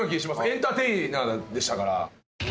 エンターテイナーでしたから。